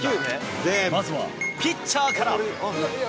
まずはピッチャーから。